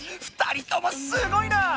２人ともすごいな！